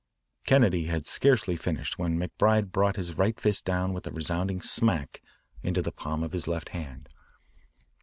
Kennedy had scarcely finished when McBride brought his right fist down with a resounding smack into the palm of his left hand.